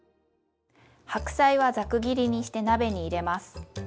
白菜はざく切りにして鍋に入れます。